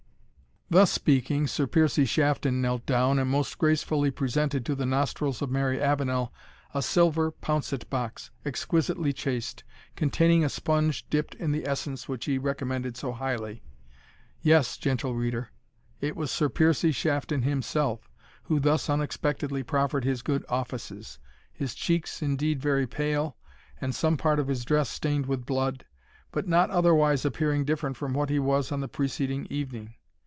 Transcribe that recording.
Thus speaking, Sir Piercie Shafton knelt down, and most gracefully presented to the nostrils of Mary Avenel a silver pouncet box, exquisitely chased, containing a sponge dipt in the essence which he recommmended so highly. Yes, gentle reader, it was Sir Piercie Shafton himself who thus unexpectedly proffered his good offices! his cheeks, indeed, very pale, and some part of his dress stained with blood, but not otherwise appearing different from what he was on the preceding evening.